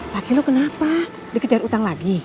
laki lu kenapa dikejar utang lagi